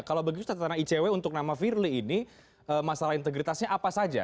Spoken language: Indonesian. kalau begitu catatan icw untuk nama firly ini masalah integritasnya apa saja